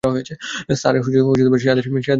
Sir, সে আদেশ পালন করার বান্দা না।